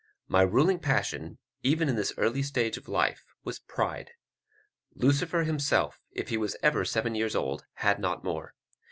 My ruling passion, even in this early stage of life, was pride. Lucifer himself, if he ever was seven years old, had not more.